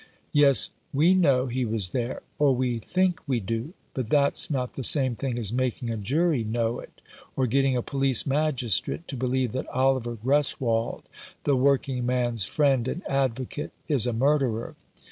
"Yes, we know he was there — or we think we do — but that's not the same thing as making a jury know it — or getting a police magistrate to believe that Oliver Greswold, the working man's friend and advocate, is a murderer.